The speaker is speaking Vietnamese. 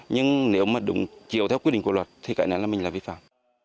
nhưng nếu mà đúng chiều theo quy định của luật thì cái này là mình là vi phạm